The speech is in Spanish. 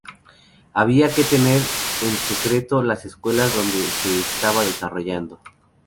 Había que tener en secreto las escuelas donde se estaba desarrollando.